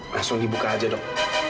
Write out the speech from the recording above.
langsung dibuka aja dok